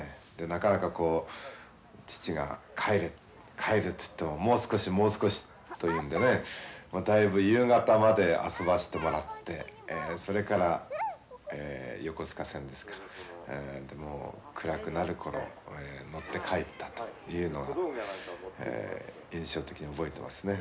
なかなかこう父が「帰る」って言っても「もう少しもう少し」と言うんでねだいぶ夕方まで遊ばしてもらってそれから横須賀線ですかもう暗くなる頃乗って帰ったというのは印象的に覚えてますね。